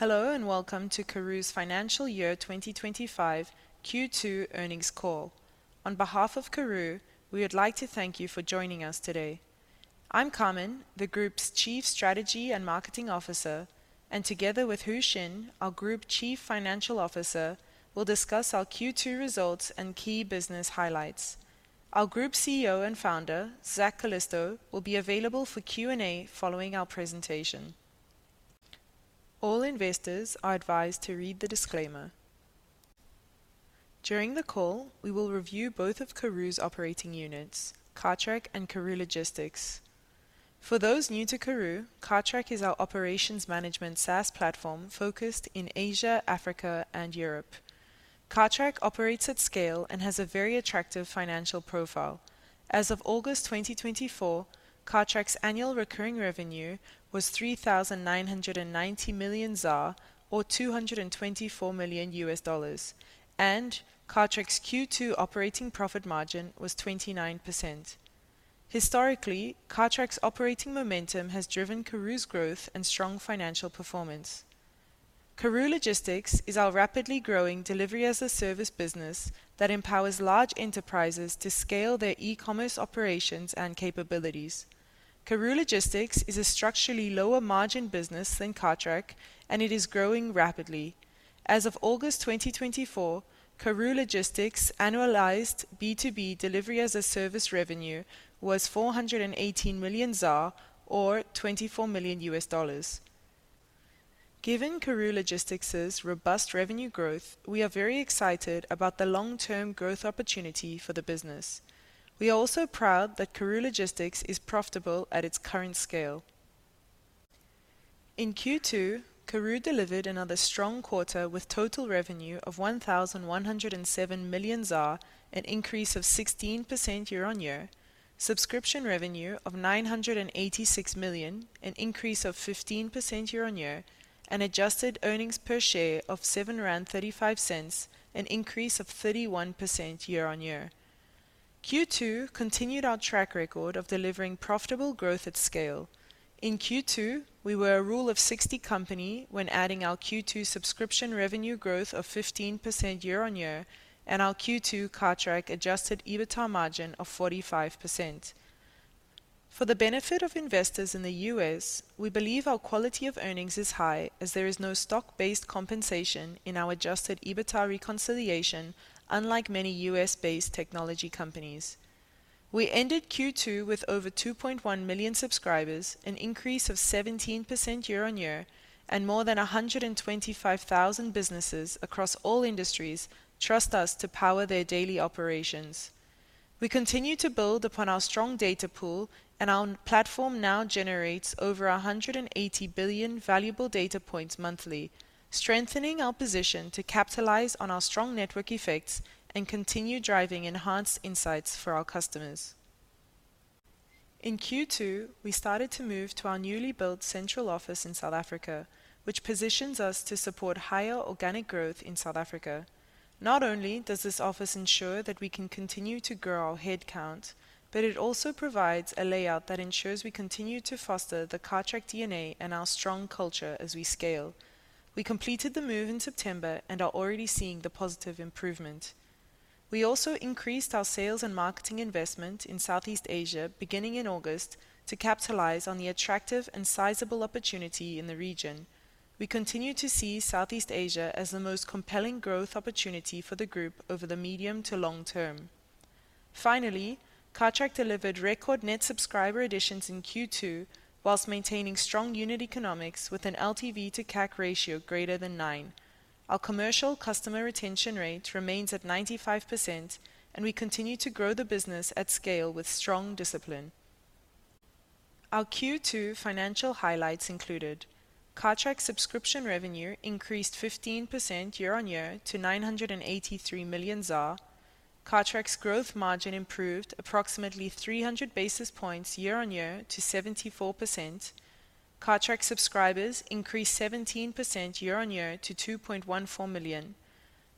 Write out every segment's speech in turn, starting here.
Hello, and welcome to Karooooo's Financial Year twenty twenty-five Q2 earnings call. On behalf of Karooooo, we would like to thank you for joining us today. I'm Carmen, the Group's Chief Strategy and Marketing Officer, and together with Hui Hsin, our Group Chief Financial Officer, will discuss our Q2 results and key business highlights. Our Group CEO and Founder, Zak Calisto, will be available for Q&A following our presentation. All investors are advised to read the disclaimer. During the call, we will review both of Karooooo's operating units, Cartrack and Karooooo Logistics. For those new to Karooooo, Cartrack is our operations management SaaS platform focused in Asia, Africa, and Europe. Cartrack operates at scale and has a very attractive financial profile. As of August twenty twenty-four, Cartrack's annual recurring revenue was 3,990 million ZAR, or $224 million, and Cartrack's Q2 operating profit margin was 29%. Historically, Cartrack's operating momentum has driven Karooooo's growth and strong financial performance. Karooooo Logistics is our rapidly growing delivery-as-a-service business that empowers large enterprises to scale their e-commerce operations and capabilities. Karooooo Logistics is a structurally lower margin business than Cartrack, and it is growing rapidly. As of August twenty twenty-four, Karooooo Logistics annualized B2B delivery-as-a-service revenue was 418 million ZAR or $24 million. Given Karooooo Logistics' robust revenue growth, we are very excited about the long-term growth opportunity for the business. We are also proud that Karooooo Logistics is profitable at its current scale. In Q2, Karooooo delivered another strong quarter with total revenue of 1,107 million ZAR, an increase of 16% year-on-year, subscription revenue of 986 million, an increase of 15% year-on-year, and adjusted earnings per share of 7.35 rand, an increase of 31% year-on-year. Q2 continued our track record of delivering profitable growth at scale. In Q2, we were a Rule of 60 company when adding our Q2 subscription revenue growth of 15% year-on-year and our Q2 Cartrack adjusted EBITDA margin of 45%. For the benefit of investors in the U.S., we believe our quality of earnings is high as there is no stock-based compensation in our adjusted EBITDA reconciliation, unlike many U.S.-based technology companies. We ended Q2 with over 2.1 million subscribers, an increase of 17% year-on-year, and more than 125,000 businesses across all industries trust us to power their daily operations. We continue to build upon our strong data pool, and our platform now generates over 180 billion valuable data points monthly, strengthening our position to capitalize on our strong network effects and continue driving enhanced insights for our customers. In Q2, we started to move to our newly built central office in South Africa, which positions us to support higher organic growth in South Africa. Not only does this office ensure that we can continue to grow our headcount, but it also provides a layout that ensures we continue to foster the Cartrack DNA and our strong culture as we scale. We completed the move in September and are already seeing the positive improvement. We also increased our sales and marketing investment in Southeast Asia, beginning in August, to capitalize on the attractive and sizable opportunity in the region. We continue to see Southeast Asia as the most compelling growth opportunity for the group over the medium to long term. Finally, Cartrack delivered record net subscriber additions in Q2, while maintaining strong unit economics with an LTV to CAC ratio greater than 9. Our commercial customer retention rate remains at 95%, and we continue to grow the business at scale with strong discipline. Our Q2 financial highlights included: Cartrack subscription revenue increased 15% year-on-year to 983 million ZAR. Cartrack's gross margin improved approximately 300 basis points year-on-year to 74%. Cartrack subscribers increased 17% year-on-year to 2.14 million.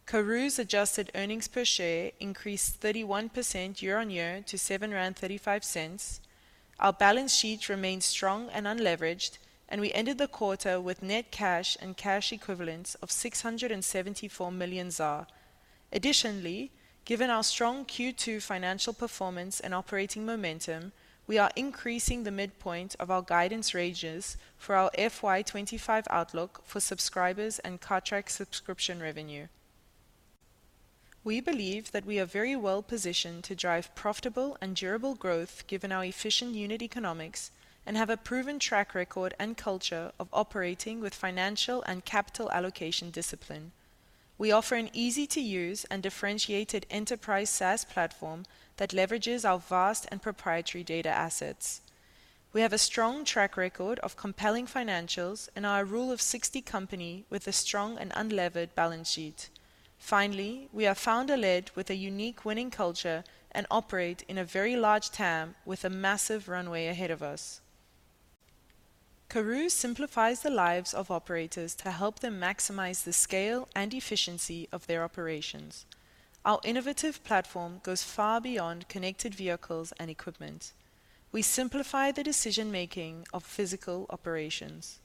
Karooooo's adjusted earnings per share increased 31% year-on-year to 7.35. Our balance sheet remains strong and unleveraged, and we ended the quarter with net cash and cash equivalents of 674 million ZAR. Additionally, given our strong Q2 financial performance and operating momentum, we are increasing the midpoint of our guidance ranges for our FY 2025 outlook for subscribers and Cartrack subscription revenue. We believe that we are very well-positioned to drive profitable and durable growth, given our efficient unit economics, and have a proven track record and culture of operating with financial and capital allocation discipline. We offer an easy-to-use and differentiated enterprise SaaS platform that leverages our vast and proprietary data assets. We have a strong track record of compelling financials and are a Rule of 60 company with a strong and unlevered balance sheet. Finally, we are founder-led with a unique winning culture and operate in a very large TAM with a massive runway ahead of us. Karooooo simplifies the lives of operators to help them maximize the scale and efficiency of their operations. Our innovative platform goes far beyond connected vehicles and equipment. We simplify the decision-making of physical operations.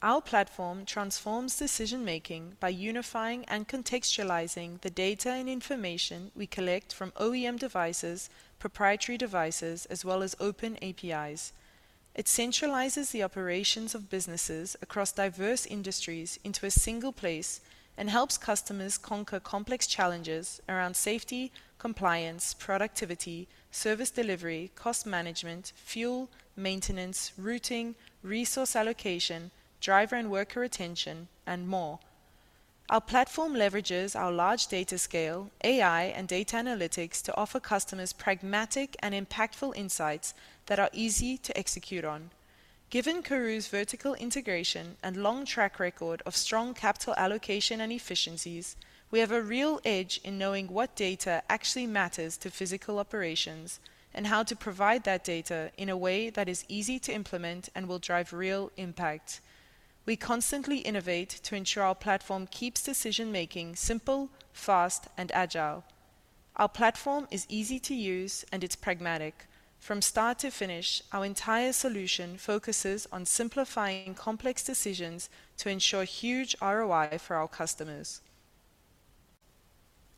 Our platform transforms decision-making by unifying and contextualizing the data and information we collect from OEM devices, proprietary devices, as well as open APIs. It centralizes the operations of businesses across diverse industries into a single place and helps customers conquer complex challenges around safety, compliance, productivity, service delivery, cost management, fuel, maintenance, routing, resource allocation, driver and worker retention, and more. Our platform leverages our large data scale, AI, and data analytics to offer customers pragmatic and impactful insights that are easy to execute on. Given Karooooo's vertical integration and long track record of strong capital allocation and efficiencies, we have a real edge in knowing what data actually matters to physical operations and how to provide that data in a way that is easy to implement and will drive real impact. We constantly innovate to ensure our platform keeps decision-making simple, fast, and agile. Our platform is easy to use, and it's pragmatic. From start to finish, our entire solution focuses on simplifying complex decisions to ensure huge ROI for our customers.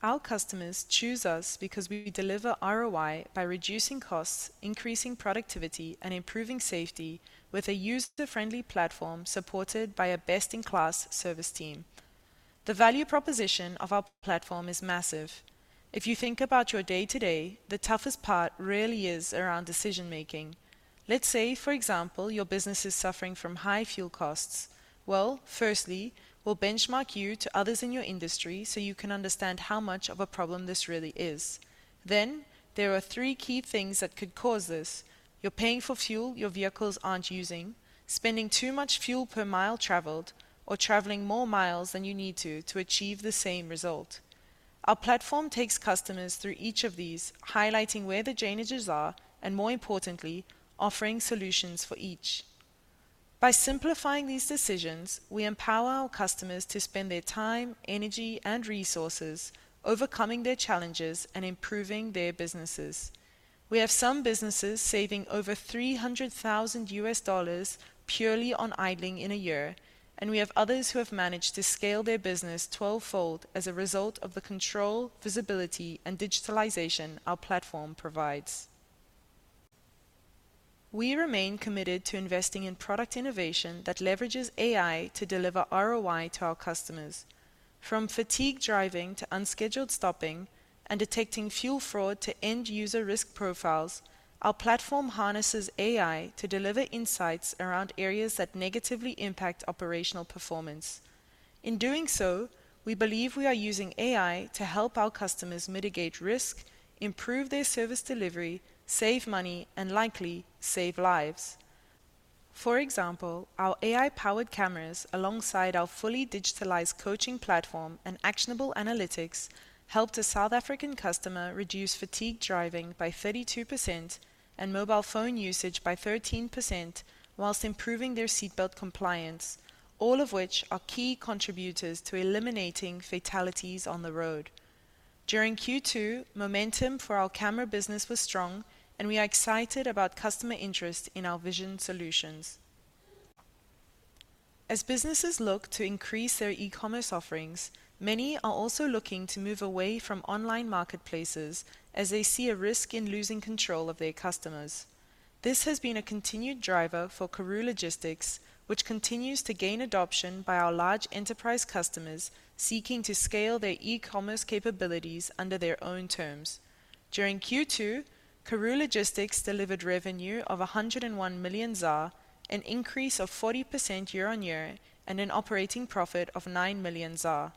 Our customers choose us because we deliver ROI by reducing costs, increasing productivity, and improving safety with a user-friendly platform supported by a best-in-class service team. The value proposition of our platform is massive. If you think about your day-to-day, the toughest part really is around decision-making. Let's say, for example, your business is suffering from high fuel costs. Firstly, we'll benchmark you to others in your industry so you can understand how much of a problem this really is. Then, there are three key things that could cause this: you're paying for fuel your vehicles aren't using, spending too much fuel per mile traveled, or traveling more miles than you need to to achieve the same result. Our platform takes customers through each of these, highlighting where the drainages are, and more importantly, offering solutions for each. By simplifying these decisions, we empower our customers to spend their time, energy, and resources overcoming their challenges and improving their businesses. We have some businesses saving over $300,000 purely on idling in a year, and we have others who have managed to scale their business twelve-fold as a result of the control, visibility, and digitalization our platform provides. We remain committed to investing in product innovation that leverages AI to deliver ROI to our customers. From fatigue driving to unscheduled stopping and detecting fuel fraud to end-user risk profiles, our platform harnesses AI to deliver insights around areas that negatively impact operational performance. In doing so, we believe we are using AI to help our customers mitigate risk, improve their service delivery, save money, and likely, save lives. For example, our AI-powered cameras, alongside our fully digitalized coaching platform and actionable analytics, helped a South African customer reduce fatigue driving by 32% and mobile phone usage by 13% whilst improving their seatbelt compliance, all of which are key contributors to eliminating fatalities on the road. During Q2, momentum for our camera business was strong, and we are excited about customer interest in our vision solutions. As businesses look to increase their e-commerce offerings, many are also looking to move away from online marketplaces as they see a risk in losing control of their customers. This has been a continued driver for Karooooo Logistics, which continues to gain adoption by our large enterprise customers seeking to scale their e-commerce capabilities under their own terms. During Q2, Karooooo Logistics delivered revenue of 101 million ZAR, an increase of 40% year on year, and an operating profit of 9 million ZAR.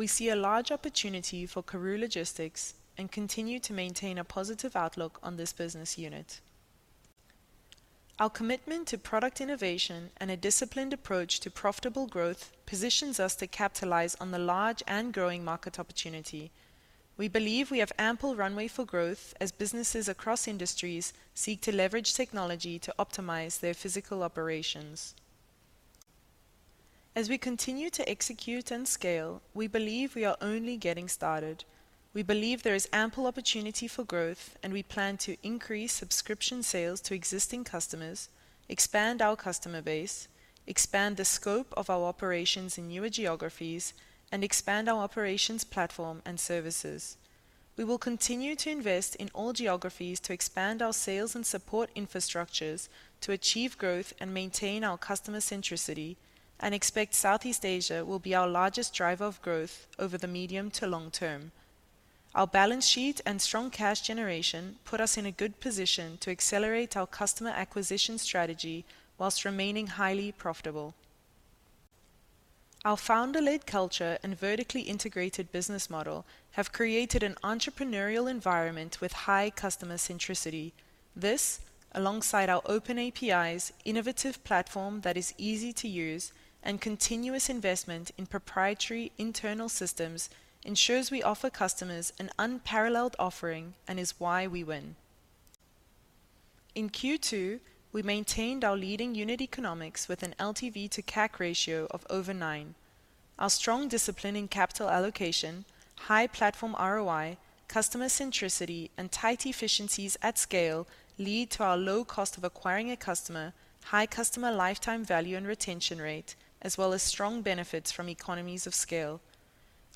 We see a large opportunity for Karooooo Logistics and continue to maintain a positive outlook on this business unit. Our commitment to product innovation and a disciplined approach to profitable growth positions us to capitalize on the large and growing market opportunity. We believe we have ample runway for growth as businesses across industries seek to leverage technology to optimize their physical operations. As we continue to execute and scale, we believe we are only getting started. We believe there is ample opportunity for growth, and we plan to increase subscription sales to existing customers, expand our customer base, expand the scope of our operations in newer geographies, and expand our operations platform and services. We will continue to invest in all geographies to expand our sales and support infrastructures to achieve growth and maintain our customer centricity, and expect Southeast Asia will be our largest driver of growth over the medium to long term. Our balance sheet and strong cash generation put us in a good position to accelerate our customer acquisition strategy whilst remaining highly profitable. Our founder-led culture and vertically integrated business model have created an entrepreneurial environment with high customer centricity. This, alongside our open APIs, innovative platform that is easy to use, and continuous investment in proprietary internal systems, ensures we offer customers an unparalleled offering and is why we win. In Q2, we maintained our leading unit economics with an LTV to CAC ratio of over nine. Our strong discipline in capital allocation, high platform ROI, customer centricity, and tight efficiencies at scale lead to our low cost of acquiring a customer, high customer lifetime value and retention rate, as well as strong benefits from economies of scale.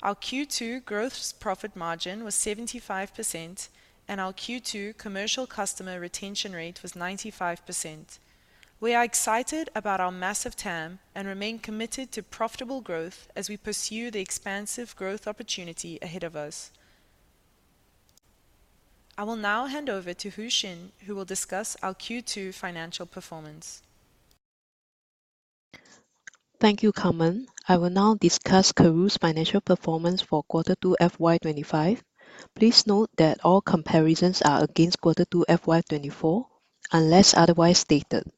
Our Q2 gross profit margin was 75%, and our Q2 commercial customer retention rate was 95%. We are excited about our massive TAM and remain committed to profitable growth as we pursue the expansive growth opportunity ahead of us. I will now hand over to Hui Hsin, who will discuss our Q2 financial performance. Thank you, Carmen. I will now discuss Karooooo's financial performance for Quarter Two FY twenty-five. Please note that all comparisons are against Quarter Two FY twenty-four, unless otherwise stated.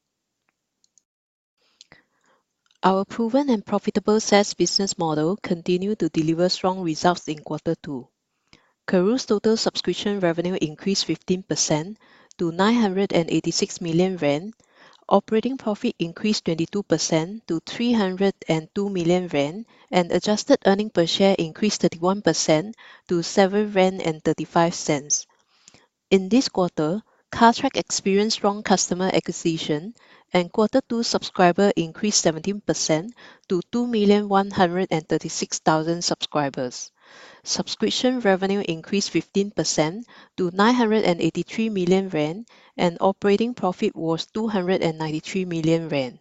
Our proven and profitable SaaS business model continued to deliver strong results in Quarter Two. Karooooo's total subscription revenue increased 15% to 986 million rand. Operating profit increased 22% to 302 million rand, and adjusted earnings per share increased 31% to 7.35 rand. In this quarter, Cartrack experienced strong customer acquisition, and Quarter Two subscriber increased 17% to 2,136,000 subscribers. Subscription revenue increased 15% to 983 million rand, and operating profit was 293 million rand.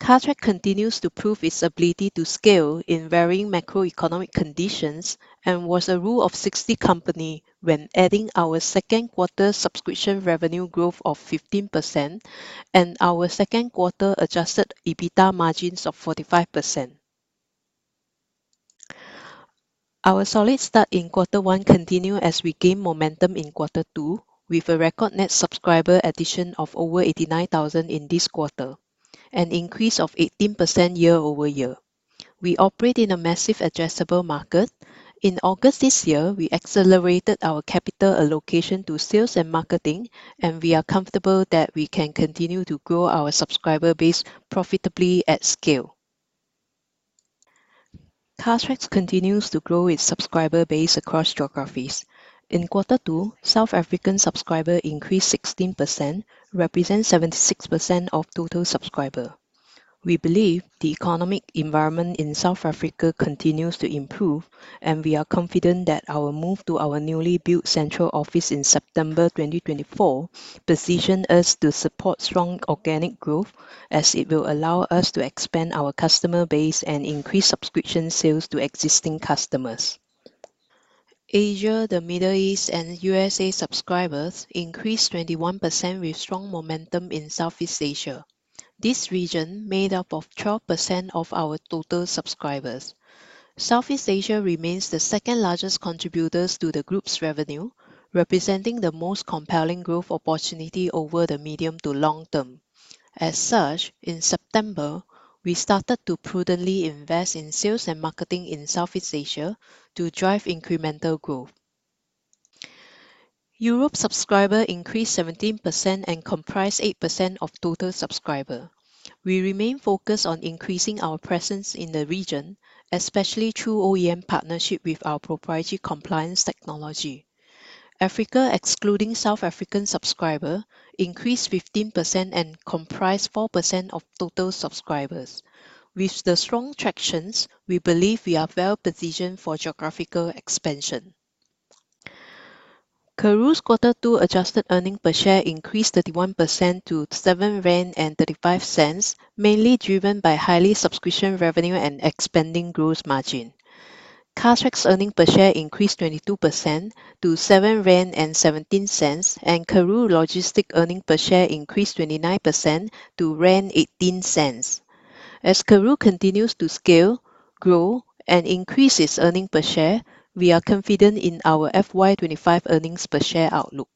Cartrack continues to prove its ability to scale in varying macroeconomic conditions and was a Rule of 60 company when adding our second quarter subscription revenue growth of 15% and our second quarter Adjusted EBITDA margins of 45%. Our solid start in Quarter One continued as we gained momentum in Quarter Two with a record net subscriber addition of over 89,000 in this quarter, an increase of 18% year over year. We operate in a massive addressable market. In August this year, we accelerated our capital allocation to sales and marketing, and we are comfortable that we can continue to grow our subscriber base profitably at scale. Cartrack continues to grow its subscriber base across geographies. In Quarter Two, South African subscribers increased 16%, representing 76% of total subscribers. We believe the economic environment in South Africa continues to improve, and we are confident that our move to our newly built central office in September 2024 position us to support strong organic growth as it will allow us to expand our customer base and increase subscription sales to existing customers. Asia, the Middle East, and USA subscribers increased 21% with strong momentum in Southeast Asia. This region made up of 12% of our total subscribers. Southeast Asia remains the second largest contributors to the group's revenue, representing the most compelling growth opportunity over the medium to long term. As such, in September, we started to prudently invest in sales and marketing in Southeast Asia to drive incremental growth. Europe subscriber increased 17% and comprise 8% of total subscriber. We remain focused on increasing our presence in the region, especially through OEM partnership with our proprietary compliance technology. Africa, excluding South African subscriber, increased 15% and comprised 4% of total subscribers. With the strong traction, we believe we are well-positioned for geographical expansion. Karooooo's Quarter Two adjusted earnings per share increased 31% to 7.35 rand, mainly driven by higher subscription revenue and expanding gross margin. Cartrack's earnings per share increased 22% to 7.17 rand, and Karooooo Logistics earnings per share increased 29% to 0.18. As Karooooo continues to scale, grow, and increase its earnings per share, we are confident in our FY twenty-five earnings per share outlook.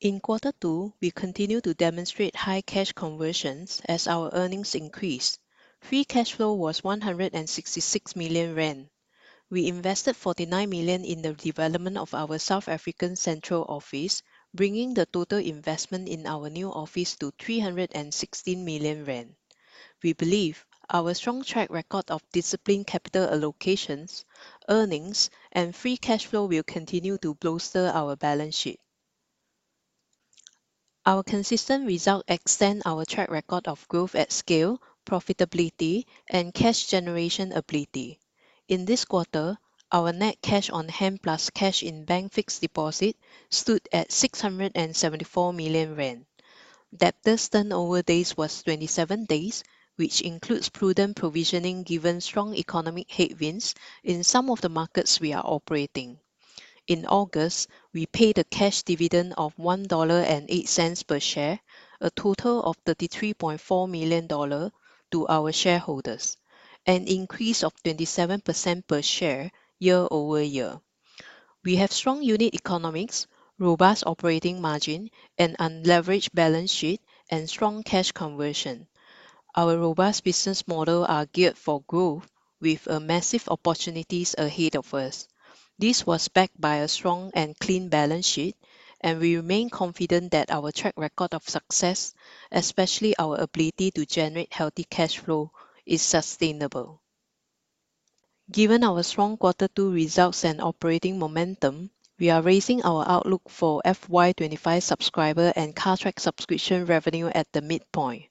In Quarter Two, we continued to demonstrate high cash conversion as our earnings increased. Free cash flow was 166 million rand. We invested 49 million in the development of our South African central office, bringing the total investment in our new office to 316 million rand. We believe our strong track record of disciplined capital allocations, earnings, and free cash flow will continue to bolster our balance sheet. Our consistent results extend our track record of growth at scale, profitability, and cash generation ability. In this quarter, our net cash on hand plus cash in bank fixed deposit stood at 674 million rand. Debtors turnover days was 27 days, which includes prudent provisioning, given strong economic headwinds in some of the markets we are operating. In August, we paid a cash dividend of $1.08 per share, a total of $33.4 million to our shareholders, an increase of 27% per share year over year. We have strong unit economics, robust operating margin, an unleveraged balance sheet, and strong cash conversion. Our robust business model are geared for growth... with a massive opportunities ahead of us. This was backed by a strong and clean balance sheet, and we remain confident that our track record of success, especially our ability to generate healthy cash flow, is sustainable. Given our strong quarter two results and operating momentum, we are raising our outlook for FY 2025 subscriber and Cartrack subscription revenue at the midpoint.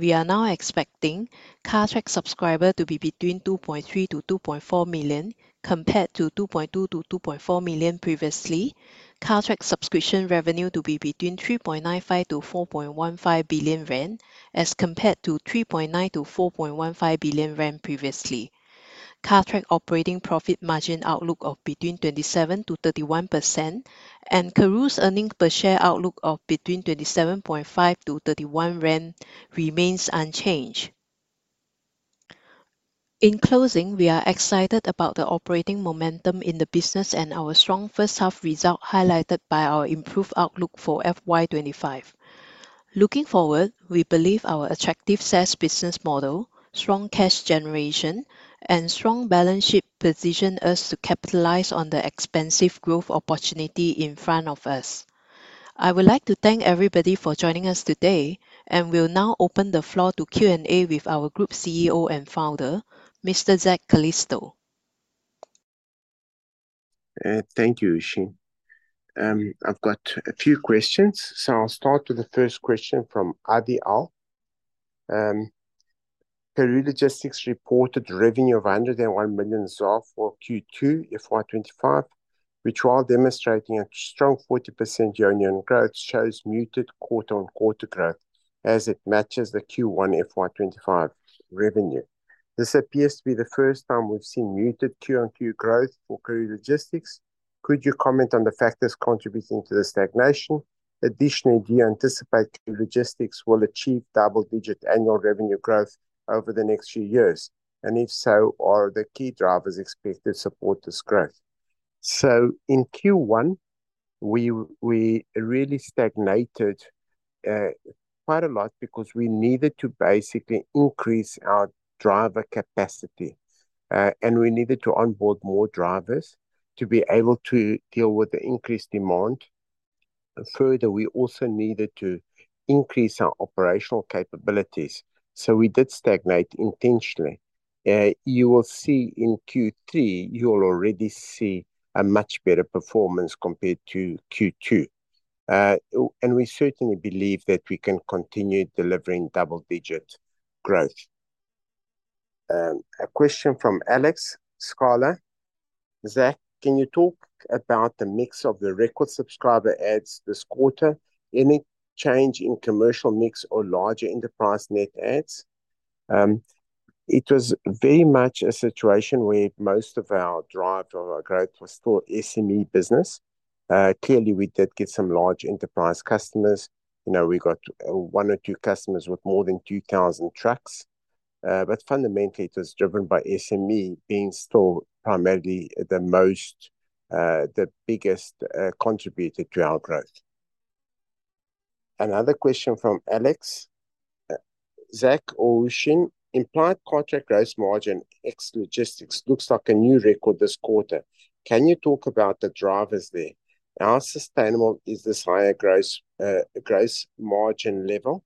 We are now expecting Cartrack subscriber to be between 2.3-2.4 million, compared to 2.2-2.4 million previously. Cartrack subscription revenue to be between 3.95-4.15 billion rand, as compared to 3.9-4.15 billion rand previously. Cartrack operating profit margin outlook of between 27%-31%, and Karooooo's earnings per share outlook of between 27.5-31 rand remains unchanged. In closing, we are excited about the operating momentum in the business and our strong first half result, highlighted by our improved outlook for FY 2025. Looking forward, we believe our attractive SaaS business model, strong cash generation, and strong balance sheet position us to capitalize on the expansive growth opportunity in front of us. I would like to thank everybody for joining us today, and we'll now open the floor to Q&A with our group CEO and founder, Mr. Zak Calisto. Thank you, Hui Hsin. I've got a few questions. So I'll start with the first question from Adiel. Karooooo Logistics reported revenue of 101 million ZAR for Q2 FY 2025, which, while demonstrating a strong 40% year-on-year growth, shows muted quarter-on-quarter growth as it matches the Q1 FY 2025 revenue. This appears to be the first time we've seen muted Q-on-Q growth for Karooooo Logistics. Could you comment on the factors contributing to the stagnation? Additionally, do you anticipate Karooooo Logistics will achieve double-digit annual revenue growth over the next few years? And if so, are the key drivers expected to support this growth? In Q1, we really stagnated quite a lot because we needed to basically increase our driver capacity. And we needed to onboard more drivers to be able to deal with the increased demand. And further, we also needed to increase our operational capabilities, so we did stagnate intentionally. You will see in Q3; you'll already see a much better performance compared to Q2. And we certainly believe that we can continue delivering double-digit growth. A question from Alex Sklar. "Zak, can you talk about the mix of the record subscriber adds this quarter? Any change in commercial mix or larger enterprise net adds?" It was very much a situation where most of our drive or our growth was still SME business. Clearly, we did get some large enterprise customers. You know, we got one or two customers with more than 2,000 trucks. But fundamentally, it was driven by SME being still primarily the most, the biggest contributor to our growth. Another question from Alex. Zak or Hui Hsin, implied Cartrack gross margin, ex logistics, looks like a new record this quarter. Can you talk about the drivers there? How sustainable is this higher gross margin level?"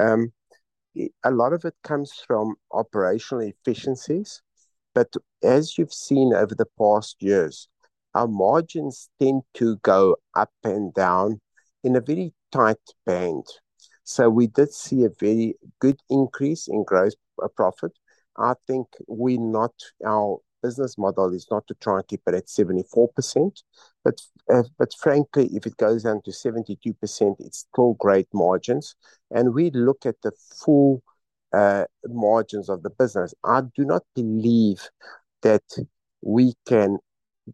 A lot of it comes from operational efficiencies, but as you've seen over the past years, our margins tend to go up and down in a very tight band. So we did see a very good increase in gross profit. Our business model is not to try and keep it at 74%. But frankly, if it goes down to 72%, it's still great margins, and we'd look at the full margins of the business. I do not believe that we can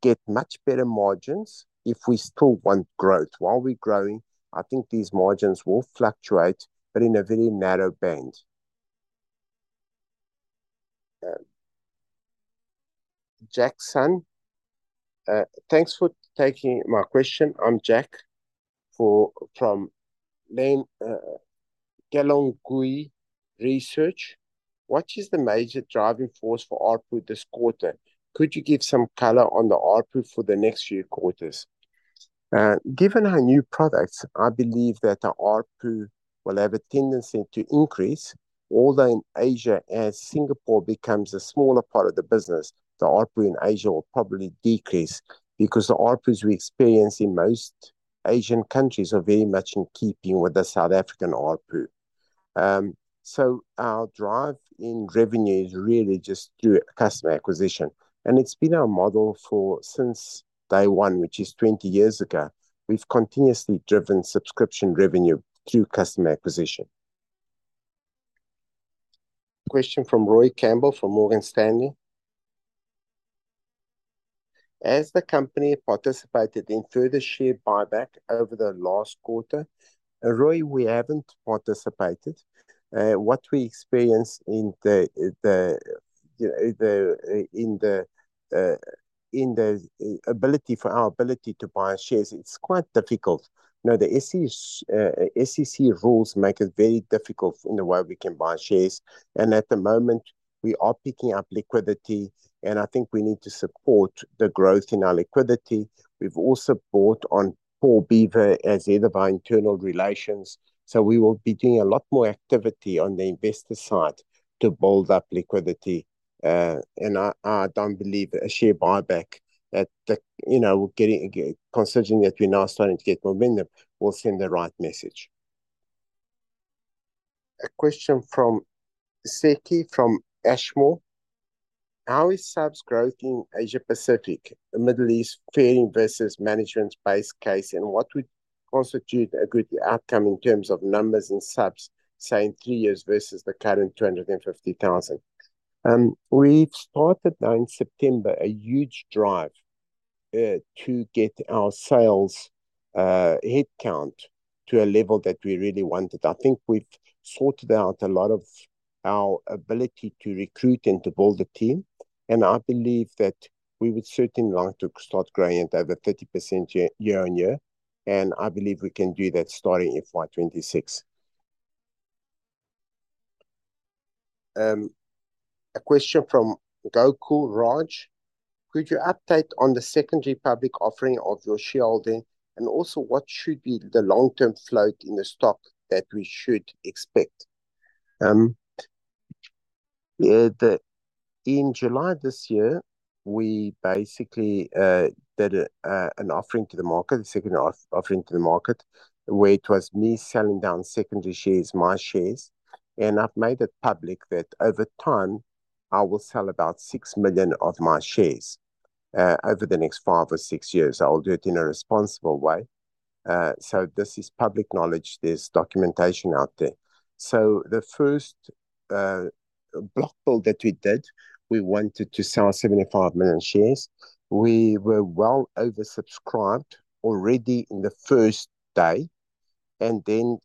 get much better margins if we still want growth. While we're growing, I think these margins will fluctuate, but in a very narrow band. Jack Sun, "Thanks for taking my question. I'm Jack from Len Kalongui Research. What is the major driving force for ARPU this quarter? Could you give some color on the ARPU for the next few quarters?" Given our new products, I believe that the ARPU will have a tendency to increase, although in Asia, as Singapore becomes a smaller part of the business, the ARPU in Asia will probably decrease because the ARPUs we experience in most Asian countries are very much in keeping with the South African ARPU. So our drive in revenue is really just through customer acquisition, and it's been our model for since day one, which is twenty years ago. We've continuously driven subscription revenue through customer acquisition. Question from Roy Campbell from Morgan Stanley. Has the company participated in further share buyback over the last quarter?" Roy, we haven't participated. What we experienced in the ability for our ability to buy shares, it's quite difficult. You know, the SEC rules make it very difficult in the way we can buy shares. And at the moment, we are picking up liquidity, and I think we need to support the growth in our liquidity. We've also brought on Paul Beaver as head of our investor relations, so we will be doing a lot more activity on the investor side to build up liquidity. And I don't believe a share buyback, you know, considering that we're now starting to get momentum, will send the right message. A question from Seki from Ashmore: "How is subs growth in Asia Pacific, the Middle East, faring versus management's base case, and what would constitute a good outcome in terms of numbers and subs, say, in three years versus the current 250,000?" We've started now in September, a huge drive, to get our sales headcount to a level that we really wanted. I think we've sorted out a lot of our ability to recruit and to build a team, and I believe that we would certainly like to start growing at over 30% year on year, and I believe we can do that starting in FY 2026. A question from Gokul Raj: "Could you update on the secondary public offering of your shareholding, and also what should be the long-term float in the stock that we should expect?" Yeah. In July this year, we basically did an offering to the market, the second offering to the market, where it was me selling down secondary shares, my shares. And I've made it public that over time, I will sell about six million of my shares over the next five or six years. I will do it in a responsible way. So this is public knowledge. There's documentation out there. So the first block build that we did, we wanted to sell seventy-five million shares. We were well oversubscribed already in the first day, and then,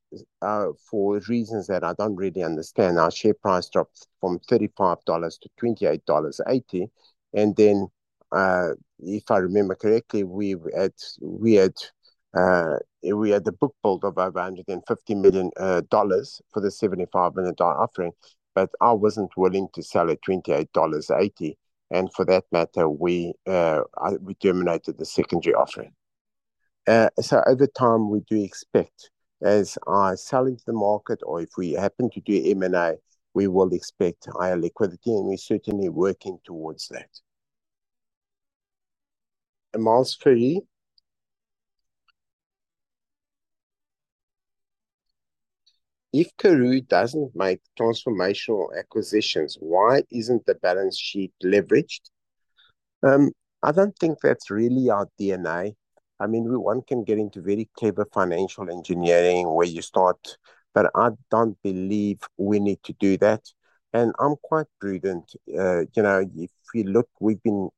for reasons that I don't really understand, our share price dropped from $35 to $28.80. And then, if I remember correctly, we had a book build of over $150 million for the $75 million offering, but I wasn't willing to sell at $28.80, and for that matter, we terminated the secondary offering. So over time, we do expect, as I sell into the market or if we happen to do M&A, we will expect higher liquidity, and we're certainly working towards that. Amal Scully: "If Karooooo doesn't make transformational acquisitions, why isn't the balance sheet leveraged?" I don't think that's really our DNA. I mean, we... One can get into very clever financial engineering, where you start, but I don't believe we need to do that, and I'm quite prudent. You know, if you look, we've been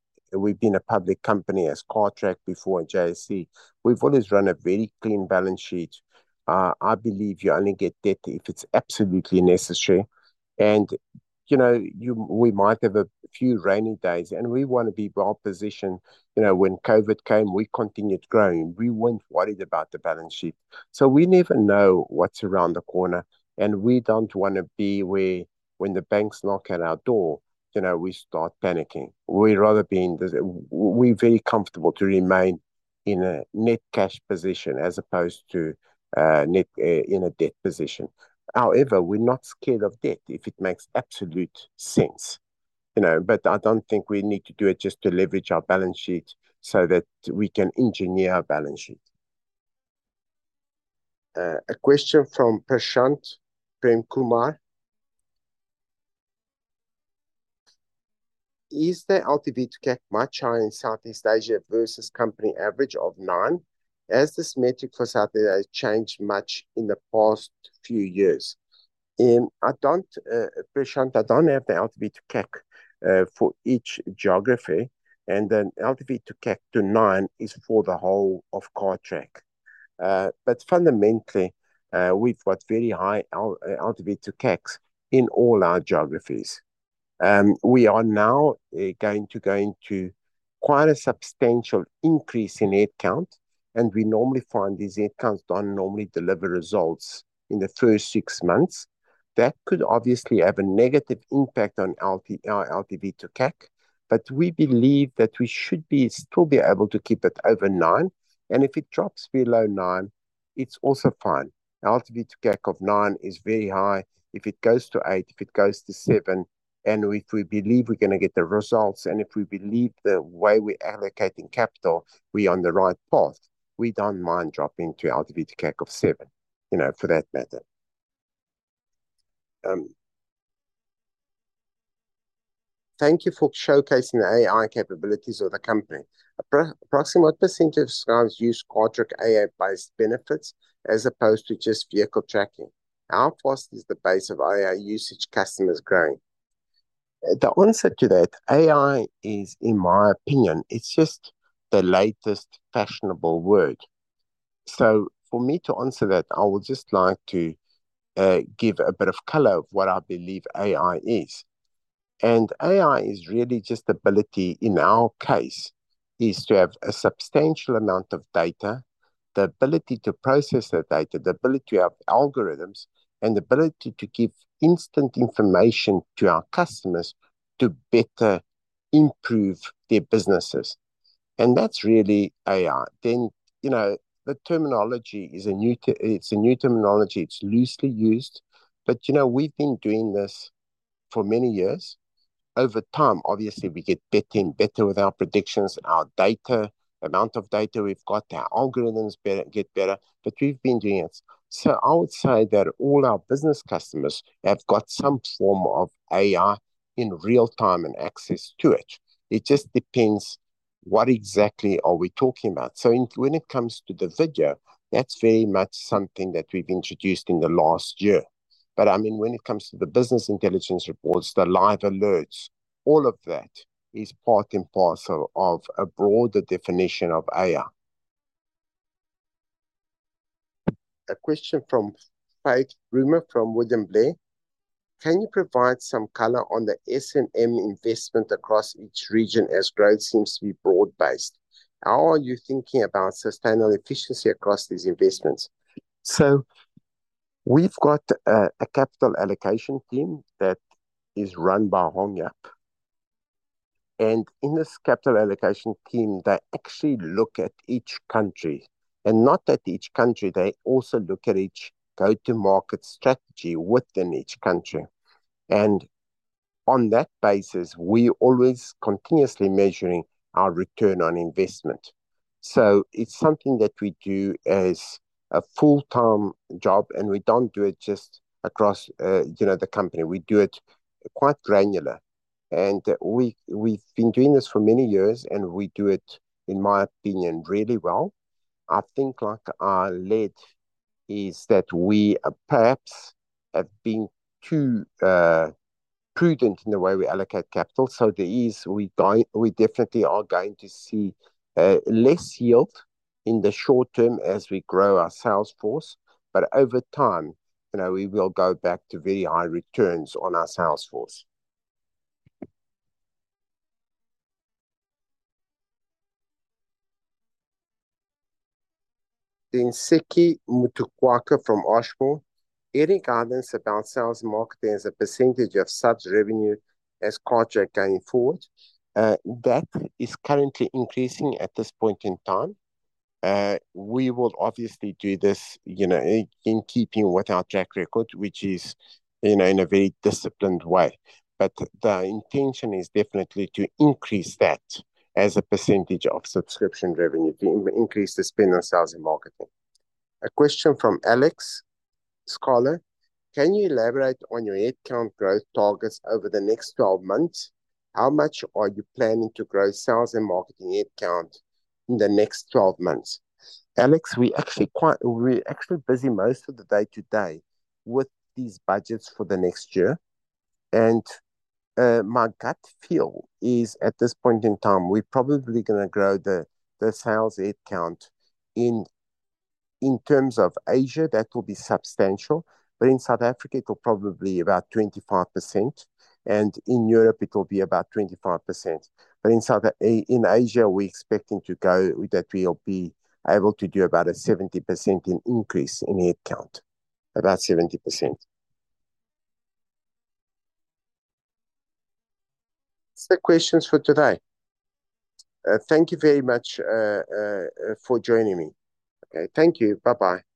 a public company as Cartrack before in JSE. We've always run a very clean balance sheet. I believe you only get debt if it's absolutely necessary. You know, we might have a few rainy days, and we wanna be well positioned. You know, when COVID came, we continued growing. We weren't worried about the balance sheet. We never know what's around the corner, and we don't wanna be where when the banks knock at our door, you know, we start panicking. We'd rather be in the. We're very comfortable to remain in a net cash position as opposed to, net, in a debt position. However, we're not scared of debt if it makes absolute sense, you know? But I don't think we need to do it just to leverage our balance sheet so that we can engineer our balance sheet. A question from Prashant Premkumar: "Is the LTV to CAC much higher in Southeast Asia versus company average of nine? Has this metric for Southeast Asia changed much in the past few years?" I don't, Prashant, I don't have the LTV to CAC for each geography, and then LTV to CAC to nine is for the whole of Cartrack, but fundamentally, we've got very high LTV to CACs in all our geographies. We are now going to go into quite a substantial increase in headcount, and we normally find these headcounts don't normally deliver results in the first six months. That could obviously have a negative impact on LTV to CAC, but we believe that we should be, still be able to keep it over nine, and if it drops below nine, it's also fine. LTV to CAC of nine is very high. If it goes to eight, if it goes to seven, and if we believe we're gonna get the results, and if we believe the way we're allocating capital, we're on the right path, we don't mind dropping to LTV to CAC of seven, you know, for that matter. "Thank you for showcasing the AI capabilities of the company. Approximately what percentage of customers use Cartrack AI-based benefits as opposed to just vehicle tracking? How fast is the base of AI usage customers growing?" The answer to that, AI is, in my opinion, it's just the latest fashionable word... So for me to answer that, I would just like to give a bit of color of what I believe AI is. And AI is really just the ability, in our case, is to have a substantial amount of data, the ability to process that data, the ability to have algorithms, and the ability to give instant information to our customers to better improve their businesses. And that's really AI. Then, you know, the terminology is a new terminology. It's loosely used, but, you know, we've been doing this for many years. Over time, obviously, we get better and better with our predictions and our data, amount of data we've got. Our algorithms get better, but we've been doing it. So I would say that all our business customers have got some form of AI in real time and access to it. It just depends what exactly are we talking about? So, when it comes to the video, that's very much something that we've introduced in the last year. But, I mean, when it comes to the business intelligence reports, the live alerts, all of that is part and parcel of a broader definition of AI. A question from Faith Brunner from William Blair: "Can you provide some color on the S&M investment across each region, as growth seems to be broad-based? How are you thinking about sustainable efficiency across these investments?" So we've got a capital allocation team that is run by Hui Hsin. And in this capital allocation team, they actually look at each country, and not at each country, they also look at each go-to-market strategy within each country. And on that basis, we're always continuously measuring our return on investment. It's something that we do as a full-time job, and we don't do it just across, you know, the company. We do it quite granular. We've been doing this for many years, and we do it, in my opinion, really well. I think, like our lead, is that we perhaps have been too prudent in the way we allocate capital. There is... We definitely are going to see less yield in the short term as we grow our sales force, but over time, you know, we will go back to very high returns on our sales force. Seki Mutuakwa from Ashmore: "Any guidance about sales and marketing as a percentage of subs revenue at Cartrack going forward?" That is currently increasing at this point in time. We will obviously do this, you know, in keeping with our track record, which is, you know, in a very disciplined way. But the intention is definitely to increase that as a percentage of subscription revenue, to increase the spend on sales and marketing. A question from Alex Sklar: "Can you elaborate on your headcount growth targets over the next 12 months? How much are you planning to grow sales and marketing headcount in the next 12 months?" Alex, we're actually quite busy most of the day-to-day with these budgets for the next year. My gut feel is, at this point in time, we're probably gonna grow the sales headcount. In terms of Asia, that will be substantial, but in South Africa, it will probably be about 25%, and in Europe it will be about 25%. But in Asia, we're expecting to go that we'll be able to do about a 70% increase in headcount. About 70%. That's the questions for today. Thank you very much for joining me. Okay, thank you. Bye-bye.